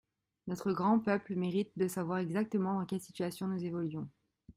Notre grand peuple mérite de savoir exactement dans quelle situation nous évoluons.